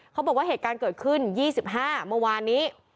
เขาบอกว่าเหตุการณ์เกิดขึ้น๒๕เมื่อวานนี้